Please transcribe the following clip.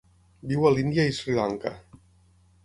Viu a l'Índia i Sri Lanka.